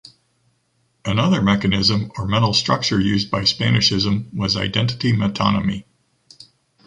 Another mechanism or mental structure used by Spanishism was identity metonymy.